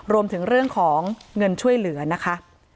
รวมถึงเรื่องของเงินช่วยเหลือนะคะ